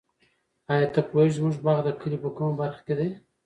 آیا ته پوهېږې چې زموږ باغ د کلي په کومه برخه کې دی؟